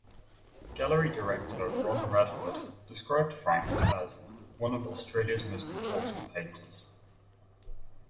Gallery director Ron Radford described Franks as 'one of Australia's most important painters'.